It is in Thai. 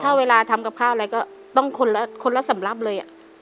ถ้าเวลาทำกับข้าวอะไรก็ต้องคนละสำรับเลย